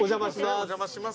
お邪魔します。